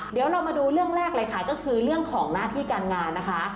เดี๋ยวเรามาดูเรื่องแรกเลยค่ะก็คือเรื่องของหน้าที่การงานนะคะ